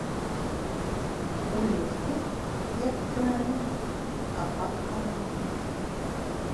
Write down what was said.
Улетку, як правіла, ападкаў няма.